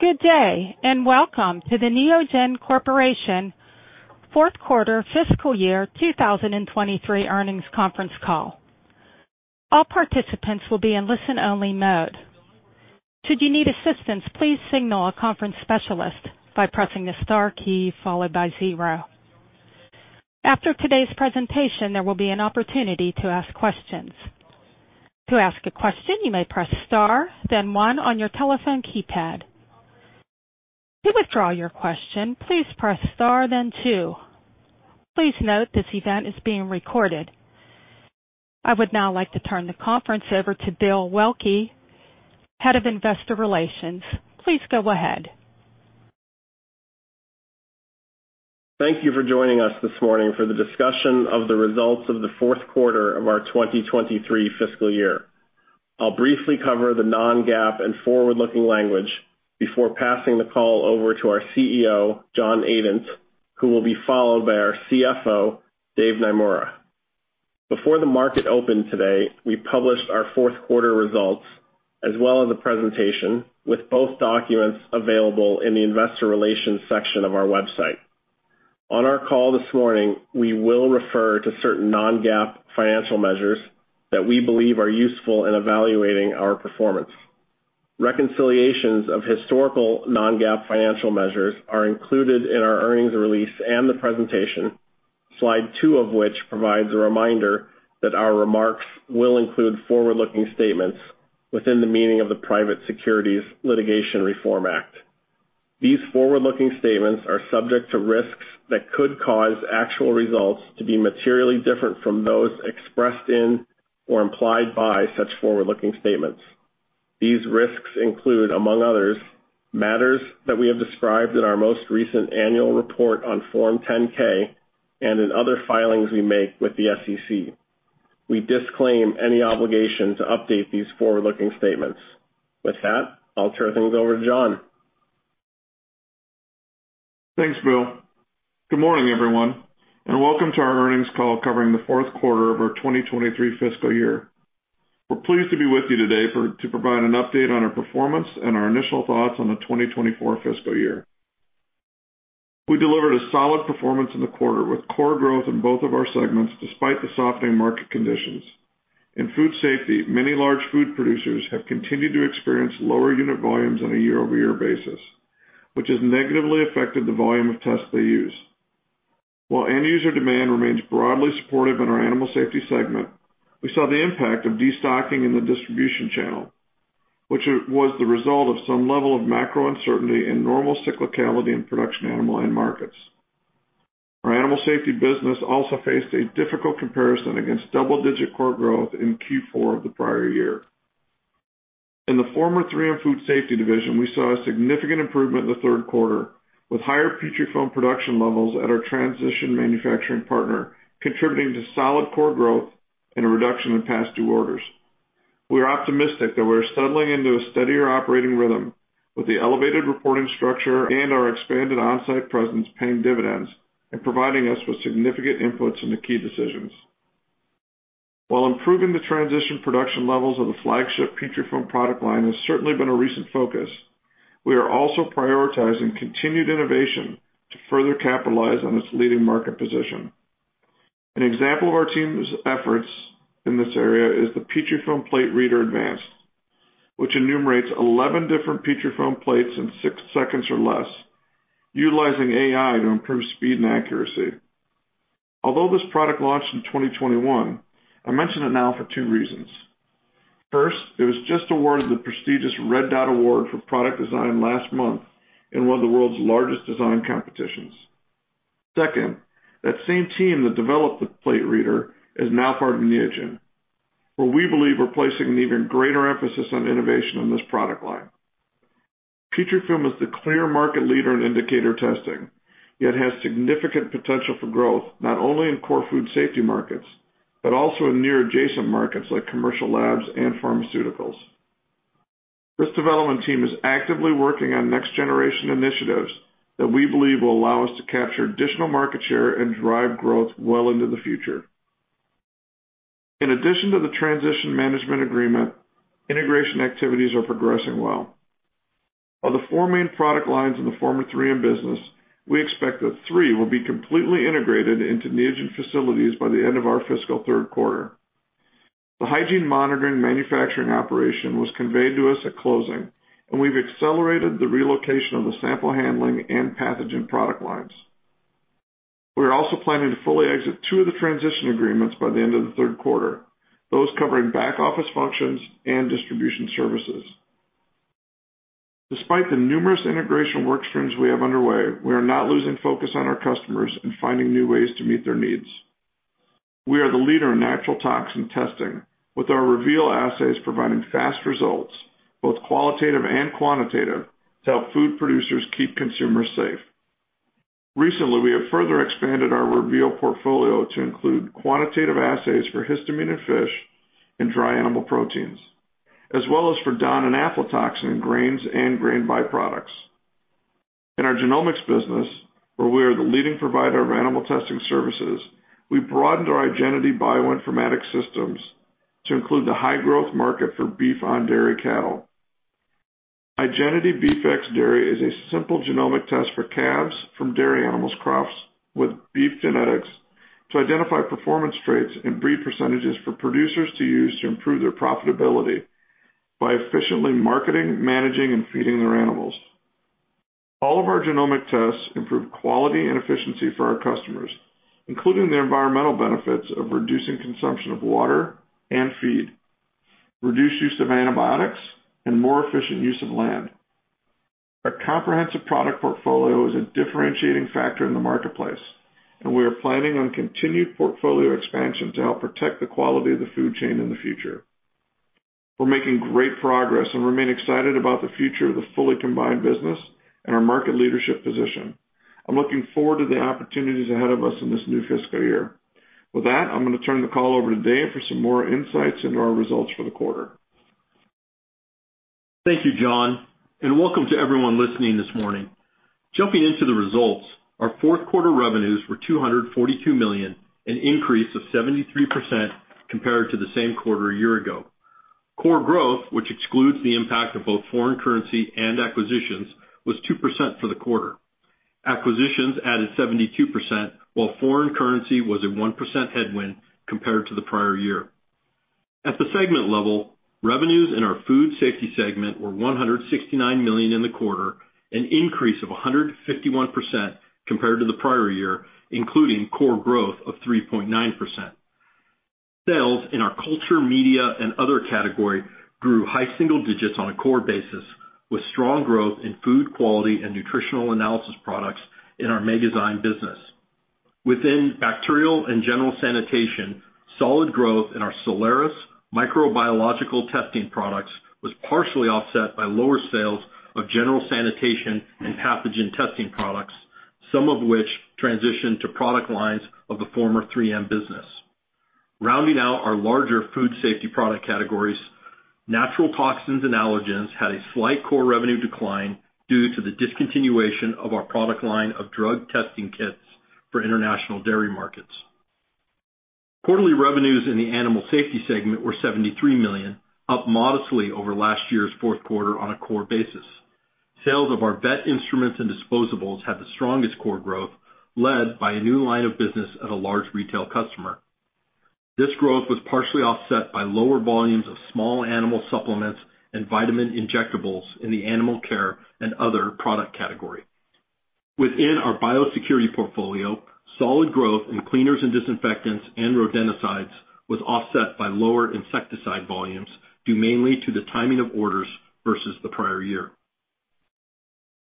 Good day, and welcome to the Neogen Corporation fourth quarter fiscal year 2023 earnings conference call. All participants will be in listen-only mode. Should you need assistance, please signal a conference specialist by pressing the star key followed by zero. After today's presentation, there will be an opportunity to ask questions. To ask a question, you may press star, then one on your telephone keypad. To withdraw your question, please press star, then two. Please note, this event is being recorded. I would now like to turn the conference over to Bill Waelke, Head of Investor Relations. Please go ahead. Thank you for joining us this morning for the discussion of the results of the fourth quarter of our 2023 fiscal year. I'll briefly cover the non-GAAP and forward-looking language before passing the call over to our CEO, John Adent, who will be followed by our CFO, Dave Naemura. Before the market opened today, we published our fourth quarter results as well as a presentation, with both documents available in the investor relations section of our website. On our call this morning, we will refer to certain non-GAAP financial measures that we believe are useful in evaluating our performance. Reconciliations of historical non-GAAP financial measures are included in our earnings release and the presentation, slide 2 of which provides a reminder that our remarks will include forward-looking statements within the meaning of the Private Securities Litigation Reform Act. These forward-looking statements are subject to risks that could cause actual results to be materially different from those expressed in or implied by such forward-looking statements. These risks include, among others, matters that we have described in our most recent annual report on Form 10-K and in other filings we make with the SEC. We disclaim any obligation to update these forward-looking statements. With that, I'll turn things over to John. Thanks, Bill. Good morning, everyone, and welcome to our earnings call covering the fourth quarter of our 2023 fiscal year. We're pleased to be with you today to provide an update on our performance and our initial thoughts on the 2024 fiscal year. We delivered a solid performance in the quarter, with core growth in both of our segments, despite the softening market conditions. In food safety, many large food producers have continued to experience lower unit volumes on a year-over-year basis, which has negatively affected the volume of tests they use. While end-user demand remains broadly supportive in our animal safety segment, we saw the impact of destocking in the distribution channel, which was the result of some level of macro uncertainty and normal cyclicality in production animal end markets. Our animal safety business also faced a difficult comparison against double-digit core growth in Q4 of the prior year. In the former 3M Food Safety division, we saw a significant improvement in the third quarter, with higher Petrifilm production levels at our transition manufacturing partner, contributing to solid core growth and a reduction in past due orders. We are optimistic that we're settling into a steadier operating rhythm with the elevated reporting structure and our expanded on-site presence paying dividends and providing us with significant inputs into key decisions. While improving the transition production levels of the flagship Petrifilm product line has certainly been a recent focus, we are also prioritizing continued innovation to further capitalize on its leading market position. An example of our team's efforts in this area is the Petrifilm Plate Reader Advanced, which enumerates 11 different Petrifilm Plates in 6 seconds or less, utilizing AI to improve speed and accuracy. Although this product launched in 2021, I mention it now for two reasons. First, it was just awarded the prestigious Red Dot Design Award for product design last month in one of the world's largest design competitions. Second, that same team that developed the plate reader is now part of Neogen, where we believe we're placing an even greater emphasis on innovation in this product line. Petrifilm is the clear market leader in indicator testing, yet has significant potential for growth, not only in core food safety markets, but also in near adjacent markets like commercial labs and pharmaceuticals. This development team is actively working on next-generation initiatives that we believe will allow us to capture additional market share and drive growth well into the future. In addition to the transition management agreement, integration activities are progressing well. Of the four main product lines in the former 3M business, we expect that three will be completely integrated into Neogen facilities by the end of our fiscal third quarter. The hygiene monitoring manufacturing operation was conveyed to us at closing, and we've accelerated the relocation of the sample handling and pathogen product lines. We are also planning to fully exit two of the transition agreements by the end of the third quarter, those covering back-office functions and distribution services. Despite the numerous integration work streams we have underway, we are not losing focus on our customers and finding new ways to meet their needs. We are the leader in natural toxin testing, with our Reveal assays providing fast results, both qualitative and quantitative, to help food producers keep consumers safe. Recently, we have further expanded our Reveal portfolio to include quantitative assays for histamine in fish and dry animal proteins, as well as for DON and aflatoxin in grains and grain byproducts. In our genomics business, where we are the leading provider of animal testing services, we've broadened our Igenity bioinformatic systems to include the high-growth market for beef on dairy cattle. Igenity BeefxDairy is a simple genomic test for calves from dairy animals crossed with beef genetics to identify performance traits and breed percentages for producers to use to improve their profitability by efficiently marketing, managing, and feeding their animals. All of our genomic tests improve quality and efficiency for our customers, including the environmental benefits of reducing consumption of water and feed, reduced use of antibiotics, and more efficient use of land. Our comprehensive product portfolio is a differentiating factor in the marketplace. We are planning on continued portfolio expansion to help protect the quality of the food chain in the future. We're making great progress and remain excited about the future of the fully combined business and our market leadership position. I'm looking forward to the opportunities ahead of us in this new fiscal year. With that, I'm going to turn the call over to Dave for some more insights into our results for the quarter. Thank you, John, and welcome to everyone listening this morning. Jumping into the results, our fourth quarter revenues were $242 million, an increase of 73% compared to the same quarter a year ago. Core growth, which excludes the impact of both foreign currency and acquisitions, was 2% for the quarter. Acquisitions added 72%, while foreign currency was a 1% headwind compared to the prior year. At the segment level, revenues in our food safety segment were $169 million in the quarter, an increase of 151% compared to the prior year, including core growth of 3.9%. Sales in our culture, media, and other category grew high single digits on a core basis, with strong growth in food quality and nutritional analysis products in our Megazyme business. Within bacterial and general sanitation, solid growth in our Soleris microbiological testing products was partially offset by lower sales of general sanitation and pathogen testing products, some of which transitioned to product lines of the former 3M business. Rounding out our larger food safety product categories, natural toxins and allergens had a slight core revenue decline due to the discontinuation of our product line of drug testing kits for international dairy markets. Quarterly revenues in the animal safety segment were $73 million, up modestly over last year's fourth quarter on a core basis. Sales of our vet instruments and disposables had the strongest core growth, led by a new line of business at a large retail customer. This growth was partially offset by lower volumes of small animal supplements and vitamin injectables in the animal care and other product category. Within our biosecurity portfolio, solid growth in cleaners and disinfectants and rodenticides was offset by lower insecticide volumes, due mainly to the timing of orders versus the prior year.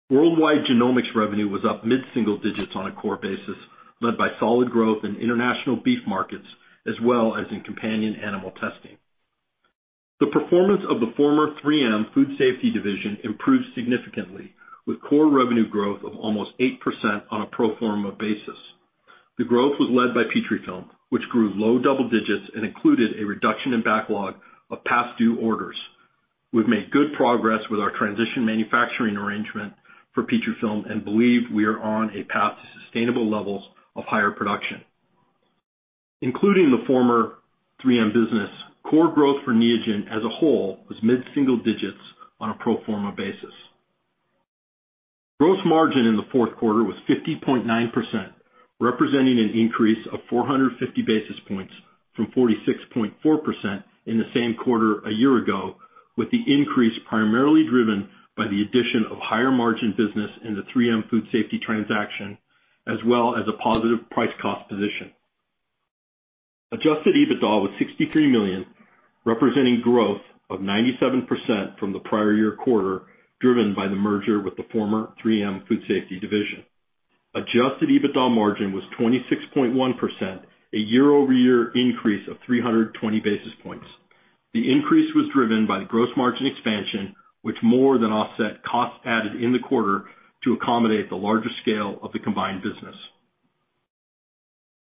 Worldwide genomics revenue was up mid-single digits on a core basis, led by solid growth in international beef markets as well as in companion animal testing. The performance of the former 3M Food Safety division improved significantly, with core revenue growth of almost 8% on a pro forma basis. The growth was led by Petrifilm, which grew low double digits and included a reduction in backlog of past due orders. We've made good progress with our transition manufacturing arrangement for Petrifilm and believe we are on a path to sustainable levels of higher production. Including the former 3M business, core growth for Neogen as a whole was mid-single digits on a pro forma basis. Gross margin in the fourth quarter was 50.9%, representing an increase of 450 basis points from 46.4% in the same quarter a year ago, with the increase primarily driven by the addition of higher-margin business in the 3M Food Safety transaction, as well as a positive price cost position. Adjusted EBITDA was $63 million, representing growth of 97% from the prior year quarter, driven by the merger with the former 3M Food Safety division. Adjusted EBITDA margin was 26.1%, a year-over-year increase of 320 basis points. The increase was driven by the gross margin expansion, which more than offset costs added in the quarter to accommodate the larger scale of the combined business.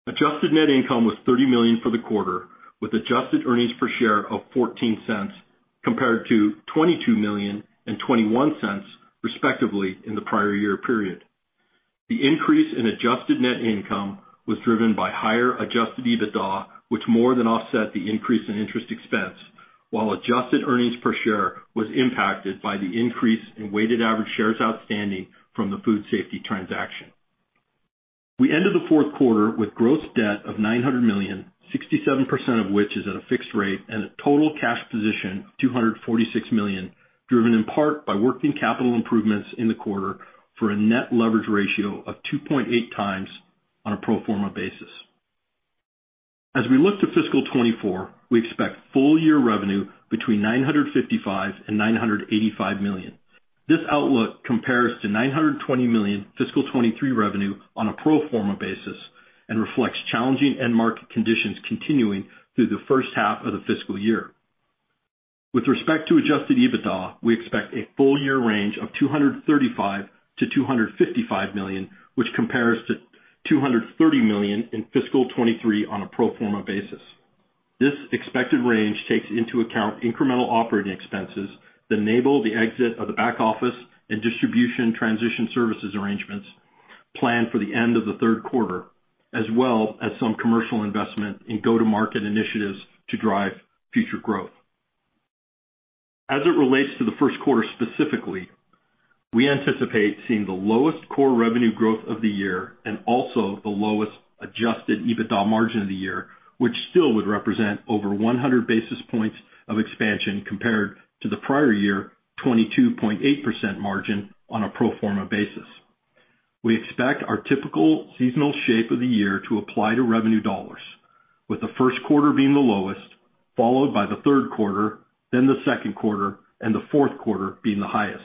Adjusted net income was $30 million for the quarter, with adjusted earnings per share of $0.14, compared to $22 million and $0.21, respectively, in the prior year period. The increase in adjusted net income was driven by higher Adjusted EBITDA, which more than offset the increase in interest expense, while adjusted earnings per share was impacted by the increase in weighted average shares outstanding from the food safety transaction. We ended the fourth quarter with gross debt of $900 million, 67% of which is at a fixed rate, and a total cash position of $246 million, driven in part by working capital improvements in the quarter, for a net leverage ratio of 2.8x on a pro forma basis. As we look to fiscal 2024, we expect full-year revenue between $955 million and $985 million. This outlook compares to $920 million fiscal 2023 revenue on a pro forma basis and reflects challenging end market conditions continuing through the first half of the fiscal year. With respect to Adjusted EBITDA, we expect a full year range of $235 million-$255 million, which compares to $230 million in fiscal 2023 on a pro forma basis. This expected range takes into account incremental operating expenses that enable the exit of the back office and distribution transition services arrangements planned for the end of the third quarter, as well as some commercial investment in go-to-market initiatives to drive future growth. As it relates to the first quarter specifically, we anticipate seeing the lowest core revenue growth of the year and also the lowest Adjusted EBITDA margin of the year, which still would represent over 100 basis points of expansion compared to the prior year, 22.8% margin on a pro forma basis. We expect our typical seasonal shape of the year to apply to revenue dollars, with the first quarter being the lowest, followed by the third quarter, then the second quarter, and the fourth quarter being the highest.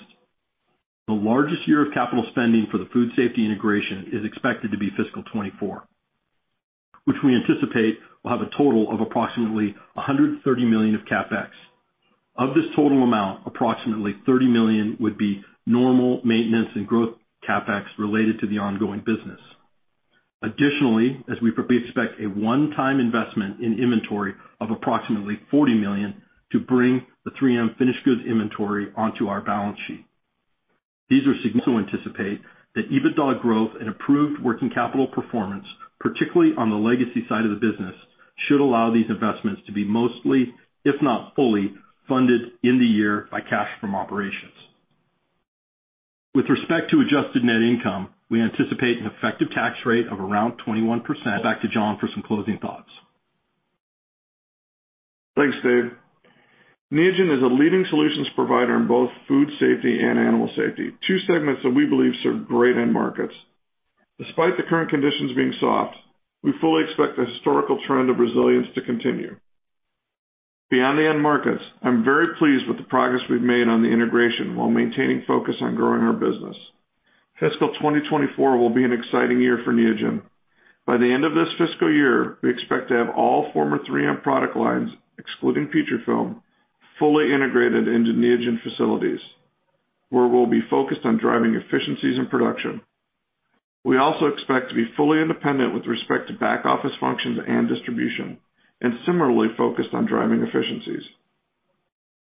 The largest year of capital spending for the food safety integration is expected to be fiscal 2024, which we anticipate will have a total of approximately $130 million of CapEx. Of this total amount, approximately $30 million would be normal maintenance and growth CapEx related to the ongoing business. As we probably expect a one-time investment in inventory of approximately $40 million to bring the 3M finished goods inventory onto our balance sheet. These are significant. Anticipate that EBITDA growth and improved working capital performance, particularly on the legacy side of the business, should allow these investments to be mostly, if not fully, funded in the year by cash from operations. With respect to adjusted net income, we anticipate an effective tax rate of around 21%. Back to John for some closing thoughts. Thanks, Dave. Neogen is a leading solutions provider in both food safety and animal safety, two segments that we believe serve great end markets. Despite the current conditions being soft, we fully expect the historical trend of resilience to continue. Beyond the end markets, I'm very pleased with the progress we've made on the integration while maintaining focus on growing our business. Fiscal 2024 will be an exciting year for Neogen. By the end of this fiscal year, we expect to have all former 3M product lines, excluding Petrifilm, fully integrated into Neogen facilities, where we'll be focused on driving efficiencies and production. We also expect to be fully independent with respect to back-office functions and distribution, and similarly focused on driving efficiencies.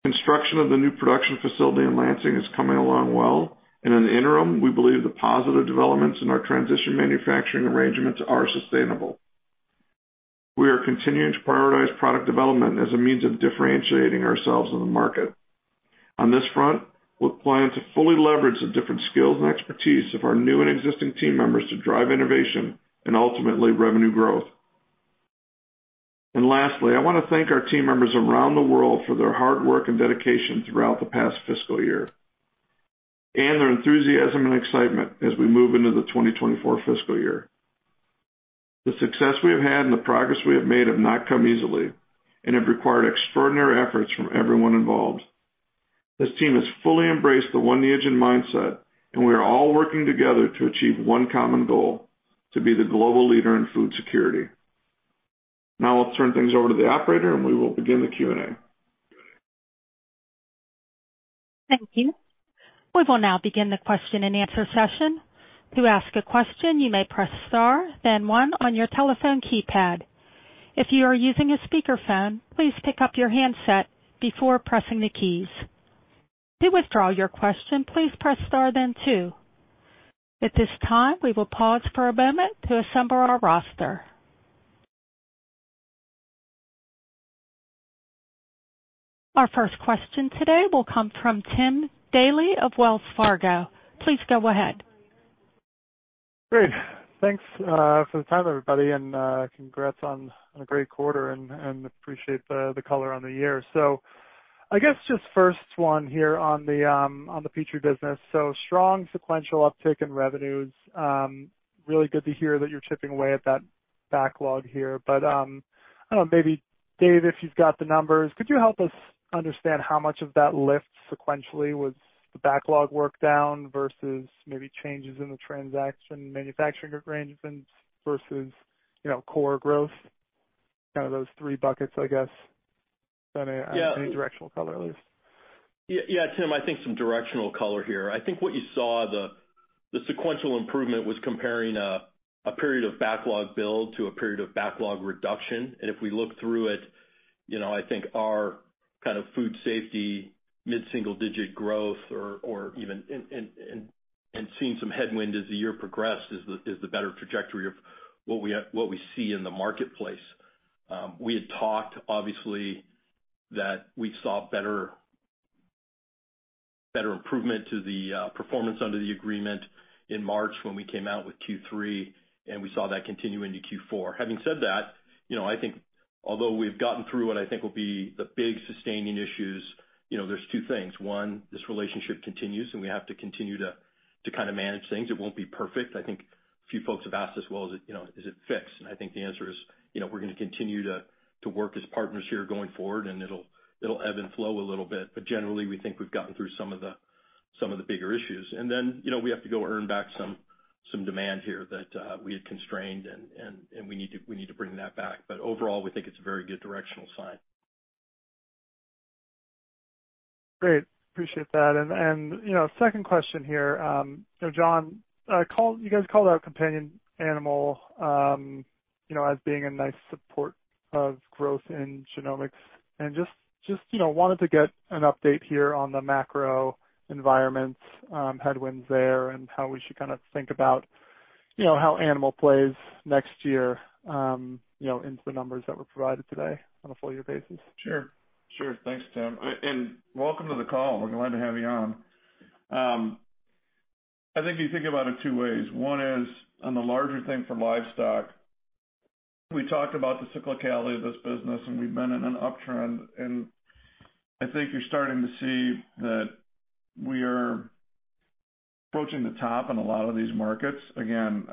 Construction of the new production facility in Lansing is coming along well. In the interim, we believe the positive developments in our transition manufacturing arrangements are sustainable. We are continuing to prioritize product development as a means of differentiating ourselves in the market. On this front, we'll plan to fully leverage the different skills and expertise of our new and existing team members to drive innovation and ultimately, revenue growth. Lastly, I want to thank our team members around the world for their hard work and dedication throughout the past fiscal year, and their enthusiasm and excitement as we move into the 2024 fiscal year. The success we have had and the progress we have made have not come easily and have required extraordinary efforts from everyone involved. This team has fully embraced the One Neogen mindset, and we are all working together to achieve one common goal: to be the global leader in food security. Now I'll turn things over to the operator, and we will begin the Q&A. Thank you. We will now begin the question-and-answer session. To ask a question, you may press star, then one on your telephone keypad. If you are using a speakerphone, please pick up your handset before pressing the keys. To withdraw your question, please press star then two. At this time, we will pause for a moment to assemble our roster. Our first question today will come from Tim Daley of Wells Fargo. Please go ahead. Great. Thanks for the time, everybody, and congrats on a great quarter and appreciate the color on the year. I guess just first one here on the Petrifilm business. Strong sequential uptick in revenues. Really good to hear that you're chipping away at that backlog here. I don't know, maybe Dave, if you've got the numbers, could you help us understand how much of that lift sequentially was the backlog work down versus maybe changes in the transaction, manufacturing arrangements versus, you know, core growth? Kind of those three buckets, I guess, any directional color at least. Yeah, Tim, I think some directional color here. I think what you saw, the sequential improvement was comparing a period of backlog build to a period of backlog reduction. If we look through it, you know, I think our kind of food safety, mid-single digit growth or even and seeing some headwind as the year progressed is the better trajectory of what we have, what we see in the marketplace. We had talked, obviously, that we saw better improvement to the performance under the agreement in March when we came out with Q3, and we saw that continue into Q4. Having said that, you know, I think although we've gotten through what I think will be the big sustaining issues, you know, there's two things. One, this relationship continues, we have to continue to kind of manage things. It won't be perfect. I think a few folks have asked as well, is it, you know, is it fixed? I think the answer is, you know, we're going to continue to work as partners here going forward, and it'll ebb and flow a little bit. Generally, we think we've gotten through some of the bigger issues. You know, we have to go earn back some demand here that we had constrained, and we need to bring that back. Overall, we think it's a very good directional sign. Great. Appreciate that. you know, second question here? you know, John, you guys called out companion animal, you know, as being a nice support of growth in genomics. just, you know, wanted to get an update here on the macro environment, headwinds there, and how we should kind of think about, you know, how animal plays next year, you know, into the numbers that were provided today on a full year basis. Sure. Sure. Thanks, Tim. Welcome to the call. We're glad to have you on. I think you think about it two ways. One is, on the larger thing for livestock, we talked about the cyclicality of this business, and we've been in an uptrend, and I think you're starting to see that we are approaching the top in a lot of these markets. Again,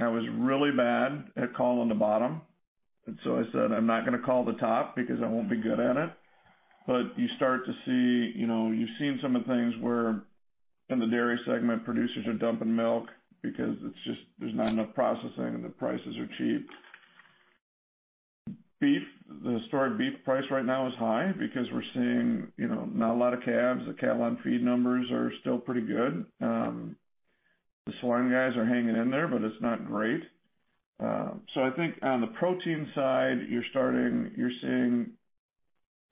I was really bad at calling the bottom, I said, "I'm not going to call the top because I won't be good at it." You start to see. You know, you've seen some of the things where in the dairy segment, producers are dumping milk because there's not enough processing, and the prices are cheap. Beef, the stored beef price right now is high because we're seeing, you know, not a lot of calves. The cattle on feed numbers are still pretty good. The swine guys are hanging in there. It's not great. I think on the protein side, you're seeing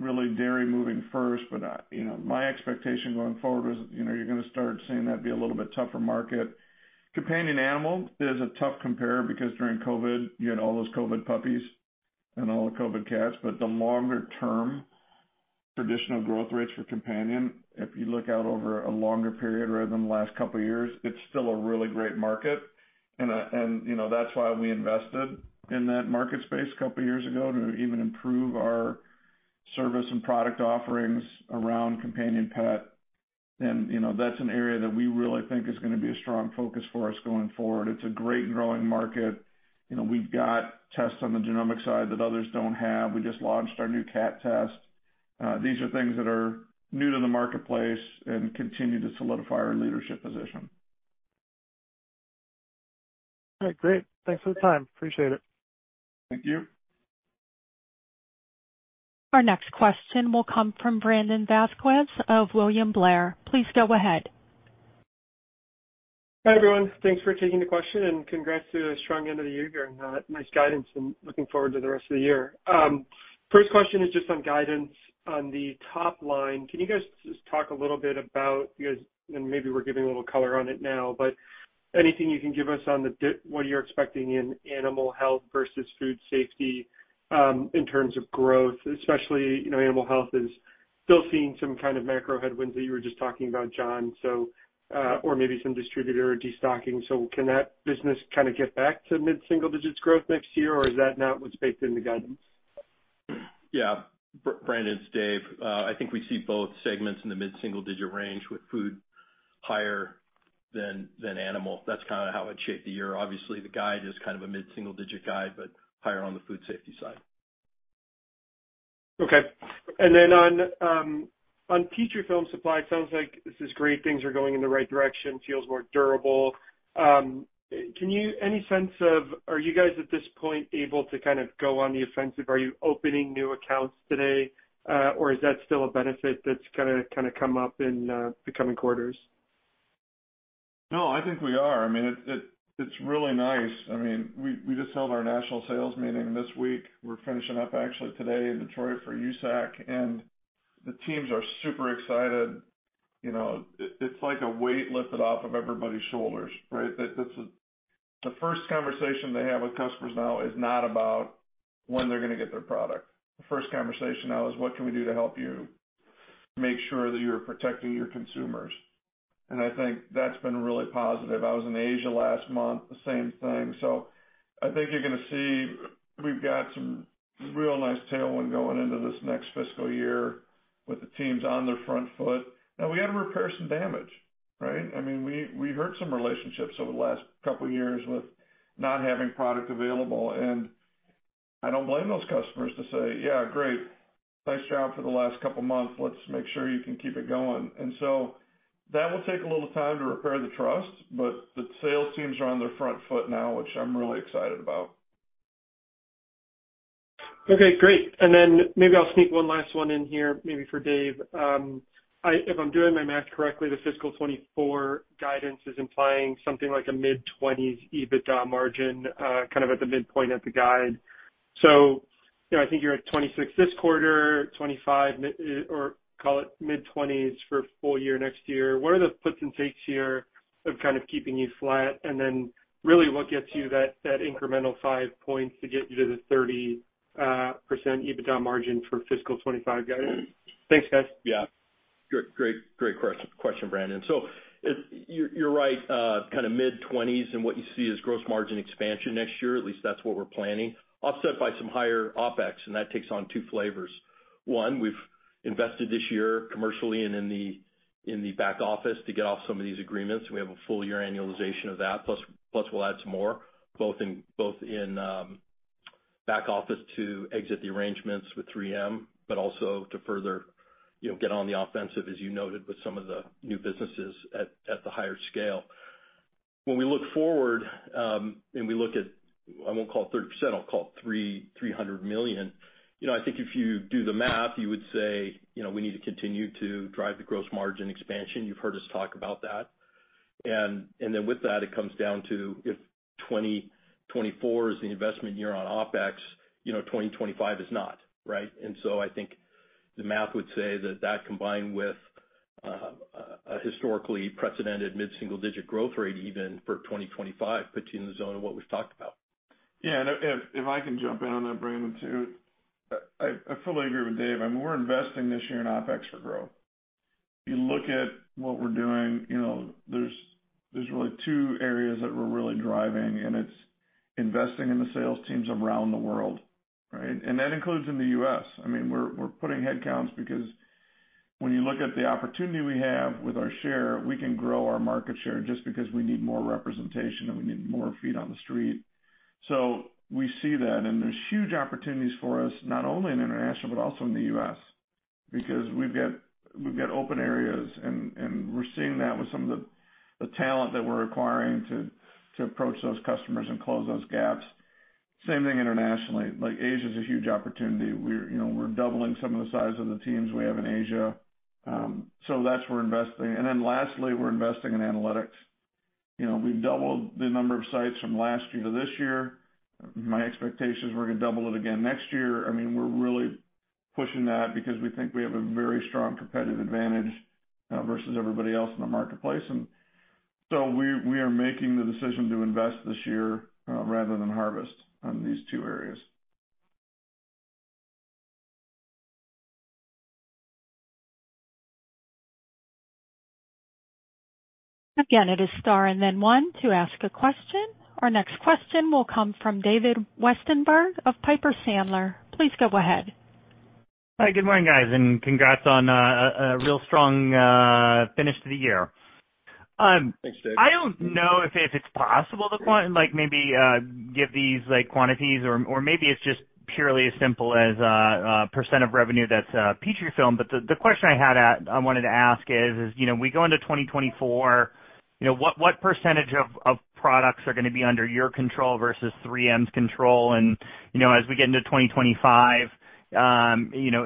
really dairy moving first. You know, my expectation going forward is, you know, you're going to start seeing that be a little bit tougher market. Companion animal is a tough compare because during COVID, you had all those COVID puppies and all the COVID cats. The longer term, traditional growth rates for companion, if you look out over a longer period rather than the last couple of years, it's still a really great market. You know, that's why we invested in that market space a couple of years ago, to even improve our service and product offerings around companion pet. You know, that's an area that we really think is going to be a strong focus for us going forward. It's a great growing market. You know, we've got tests on the genomic side that others don't have. We just launched our new cat test. These are things that are new to the marketplace and continue to solidify our leadership position. All right, great. Thanks for the time. Appreciate it. Thank you. Our next question will come from Brandon Vazquez of William Blair. Please go ahead. Hi, everyone. Thanks for taking the question. Congrats to a strong end of the year here and nice guidance, and looking forward to the rest of the year. First question is just on guidance. On the top line, can you guys just talk a little bit about, you guys, and maybe we're giving a little color on it now, but anything you can give us on what you're expecting in animal health versus food safety in terms of growth? Especially, you know, animal health is still seeing some kind of macro headwinds that you were just talking about, John, so, or maybe some distributor or destocking. Can that business kind of get back to mid-single digits growth next year, or is that not what's baked in the guidance? Yeah. Brandon, it's Dave. I think we see both segments in the mid-single digit range, with food higher than animal. That's kind of how it shaped the year. Obviously, the guide is kind of a mid-single digit guide, but higher on the food safety side. Okay. On, on Petrifilm supply, it sounds like this is great, things are going in the right direction, feels more durable. Any sense of, are you guys at this point able to kind of go on the offensive? Are you opening new accounts today, or is that still a benefit that's gonna kind of come up in, the coming quarters? No, I think we are. I mean, it's really nice. I mean, we just held our national sales meeting this week. We're finishing up actually today in Detroit for USAC. The teams are super excited. You know, it's like a weight lifted off of everybody's shoulders, right? The first conversation they have with customers now is not about when they're going to get their product. The first conversation now is: "What can we do to help you make sure that you're protecting your consumers?" I think that's been really positive. I was in Asia last month, the same thing. I think you're going to see we've got some real nice tailwind going into this next fiscal year with the teams on their front foot. Now, we had to repair some damage, right? I mean, we hurt some relationships over the last couple of years with not having product available, and I don't blame those customers to say: "Yeah, great. Nice job for the last couple of months. Let's make sure you can keep it going." That will take a little time to repair the trust, but the sales teams are on their front foot now, which I'm really excited about. Okay, great. Then maybe I'll sneak one last one in here, maybe for Dave. If I'm doing my math correctly, the fiscal 2024 guidance is implying something like a mid-20s EBITDA margin, kind of at the midpoint of the guide. You know, I think you're at 26 this quarter, 25, mid, or call it mid-20s for full year next year. What are the puts and takes here of kind of keeping you flat? Then really, what gets you that incremental 5 points to get you to the 30% EBITDA margin for fiscal 2025 guidance? Thanks, guys. Great question, Brandon. You're right, kind of mid-20s, and what you see is gross margin expansion next year, at least that's what we're planning, offset by some higher OpEx, and that takes on 2 flavors. 1, we've invested this year commercially and in the back office to get off some of these agreements. We have a full year annualization of that, plus we'll add some more, both in back office to exit the arrangements with 3M, but also to further, you know, get on the offensive, as you noted, with some of the new businesses at the higher scale. When we look forward, we look at, I won't call it 30%, I'll call it $300 million. You know, I think if you do the math, you would say, you know, we need to continue to drive the gross margin expansion. You've heard us talk about that. Then with that, it comes down to if 2024 is the investment year on OpEx, you know, 2025 is not, right? I think the math would say that that, combined with, a historically precedented mid-single-digit growth rate, even for 2025, puts you in the zone of what we've talked about. Yeah, if I can jump in on that, Brandon, too. I fully agree with Dave. I mean, we're investing this year in OpEx for growth. You look at what we're doing, you know, there's really two areas that we're really driving, and it's investing in the sales teams around the world, right? That includes in the U.S. I mean, we're putting headcounts because when you look at the opportunity we have with our share, we can grow our market share just because we need more representation and we need more feet on the street. We see that, and there's huge opportunities for us, not only in international, but also in the U.S., because we've got, we've got open areas, and we're seeing that with some of the talent that we're acquiring to approach those customers and close those gaps. Same thing internationally. Like, Asia is a huge opportunity. We're, you know, we're doubling some of the size of the teams we have in Asia. That's we're investing. Lastly, we're investing in analytics. You know, we've doubled the number of sites from last year to this year. My expectation is we're gonna double it again next year. I mean, we're really pushing that because we think we have a very strong competitive advantage, versus everybody else in the marketplace. We, we are making the decision to invest this year, rather than harvest on these two areas. It is star and then one to ask a question. Our next question will come from David Westenberg of Piper Sandler. Please go ahead. Hi, good morning, guys, and congrats on a real strong finish to the year. Thanks, Dave. I don't know if it's possible to like, maybe give these, like, quantities or maybe it's just purely as simple as a % of revenue that's Petrifilm. The, the question I had, I wanted to ask is, you know, we go into 2024, you know, what % of products are gonna be under your control versus 3M's control? You know, as we get into 2025, you know,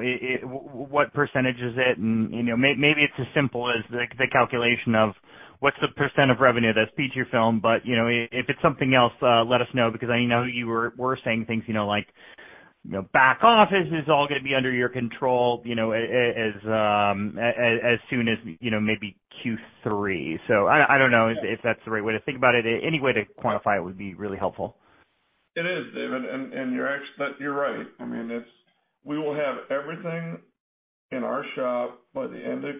what % is it? You know, maybe it's as simple as the calculation of what's the % of revenue that's Petrifilm. You know, if it's something else, let us know, because I know you were saying things, you know, like, you know, back office is all gonna be under your control, you know, as soon as, you know, maybe Q3. I don't know if that's the right way to think about it. Any way to quantify it would be really helpful. It is, David, and you're right. I mean, we will have everything in our shop by the end of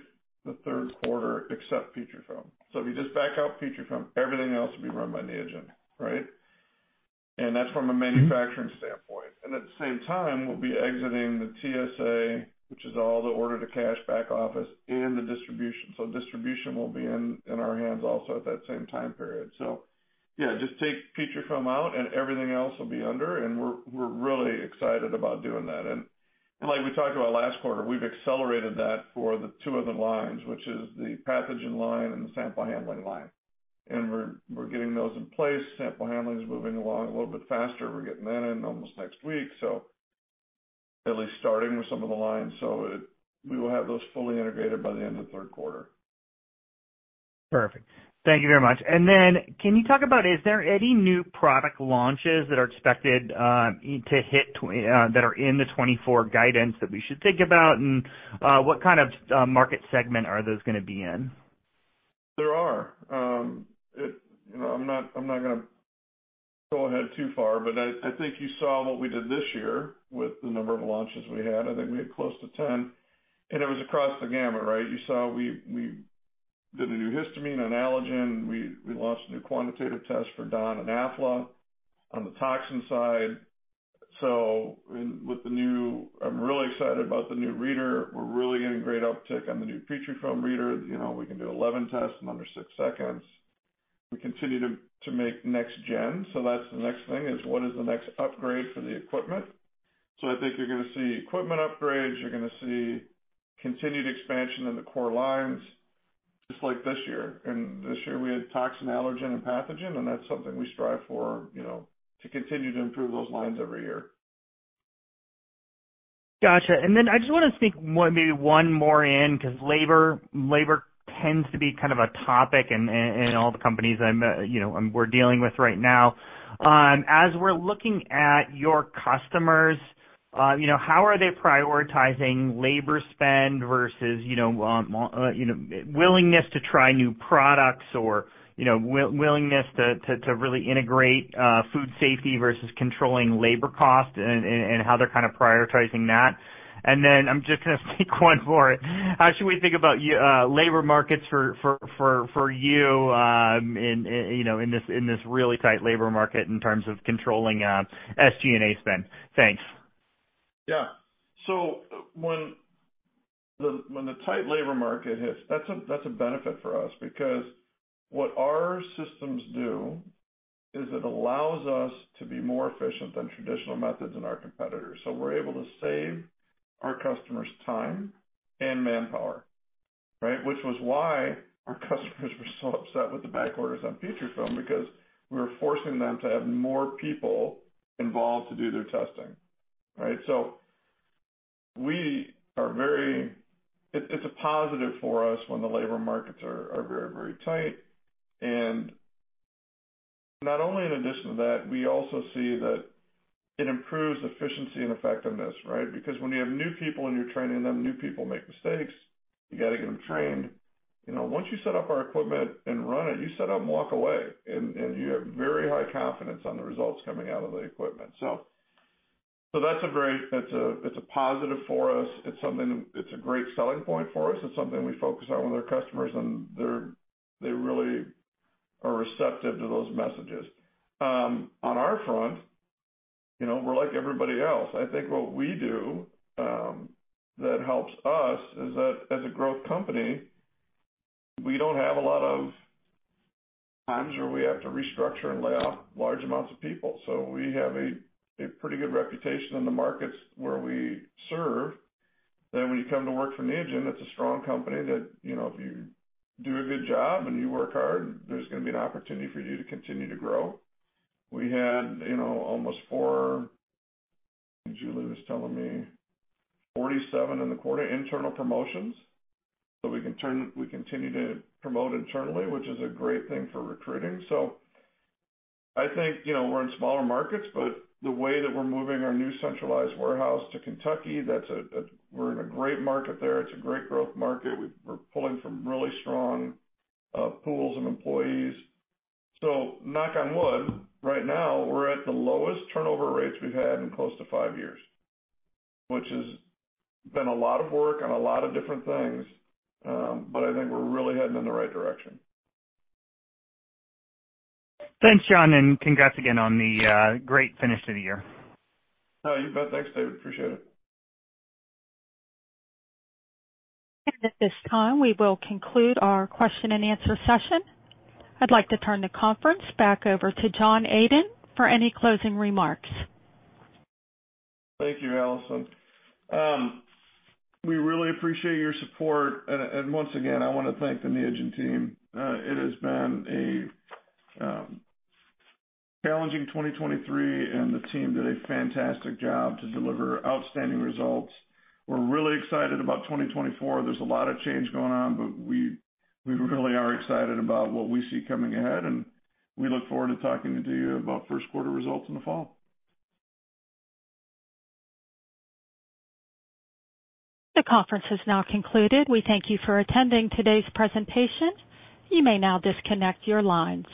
the third quarter, except Petrifilm. If you just back out Petrifilm, everything else will be run by Neogen, right? That's from a manufacturing standpoint. At the same time, we'll be exiting the TSA, which is all the order to cash back office and the distribution. Distribution will be in our hands also at that same time period. Yeah, just take Petrifilm out, and everything else will be under, and we're really excited about doing that. Like we talked about last quarter, we've accelerated that for the two other lines, which is the pathogen line and the sample handling line. We're getting those in place. Sample handling is moving along a little bit faster. We're getting that in almost next week, at least starting with some of the lines. We will have those fully integrated by the end of the third quarter. Perfect. Thank you very much. Can you talk about, is there any new product launches that are expected that are in the 2024 guidance that we should think about? What kind of market segment are those gonna be in? There are. You know, I'm not going to go ahead too far, but I think you saw what we did this year with the number of launches we had. I think we had close to 10. It was across the gamut, right? You saw we did a new histamine, an allergen. We launched a new quantitative test for DON and Afla on the toxin side. With the new, I'm really excited about the new reader. We're really getting great uptick on the new Petrifilm reader. You know, we can do 11 tests in under 6 seconds. We continue to make next gen. That's the next thing, is what is the next upgrade for the equipment? I think you're going to see equipment upgrades, you're going to see continued expansion in the core lines, just like this year. This year we had toxin, allergen, and pathogen, and that's something we strive for, you know, to continue to improve those lines every year. Gotcha. I just wanna sneak one, maybe one more in, 'cause labor tends to be kind of a topic in all the companies I'm, you know, we're dealing with right now. As we're looking at your customers, you know, how are they prioritizing labor spend versus, you know, willingness to try new products or, you know, willingness to really integrate food safety versus controlling labor cost and how they're kind of prioritizing that? I'm just gonna sneak one more. How should we think about labor markets for you in, you know, in this, in this really tight labor market in terms of controlling SG&A spend? Thanks. Yeah. When the tight labor market hits, that's a benefit for us because what our systems do is it allows us to be more efficient than traditional methods and our competitors. We're able to save our customers time and manpower, right? Which was why our customers were so upset with the back orders on Petrifilm, because we were forcing them to have more people involved to do their testing, right? We are very. It's a positive for us when the labor markets are very, very tight. Not only in addition to that, we also see that it improves efficiency and effectiveness, right? When you have new people, and you're training them, new people make mistakes. You got to get them trained. You know, once you set up our equipment and run it, you set up and walk away, and you have very high confidence on the results coming out of the equipment. That's a very it's a, it's a positive for us. It's something It's a great selling point for us. It's something we focus on with our customers, and they really are receptive to those messages. on our front, you know, we're like everybody else. I think what we do, that helps us is that as a growth company, we don't have a lot of times where we have to restructure and lay off large amounts of people. We have a pretty good reputation in the markets where we serve, that when you come to work for Neogen, it's a strong company that, you know, if you do a good job and you work hard, there's gonna be an opportunity for you to continue to grow. We had, you know, almost Julie was telling me, 47 in the quarter, internal promotions. We continue to promote internally, which is a great thing for recruiting. I think, you know, we're in smaller markets, but the way that we're moving our new centralized warehouse to Kentucky, that's a great market there. It's a great growth market. We're pulling from really strong pools of employees. knock on wood, right now, we're at the lowest turnover rates we've had in close to 5 years, which has been a lot of work on a lot of different things, but I think we're really heading in the right direction. Thanks, John, and congrats again on the great finish of the year. Oh, you bet. Thanks, David. Appreciate it. At this time, we will conclude our question-and-answer session. I'd like to turn the conference back over to John Adent for any closing remarks. Thank you, Allison. We really appreciate your support. Once again, I want to thank the Neogen team. It has been a challenging 2023, and the team did a fantastic job to deliver outstanding results. We're really excited about 2024. There's a lot of change going on, but we really are excited about what we see coming ahead, and we look forward to talking to you about first quarter results in the fall. The conference is now concluded. We thank you for attending today's presentation. You may now disconnect your lines.